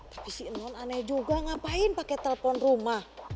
tapi si non aneh juga ngapain pakai telfon rumah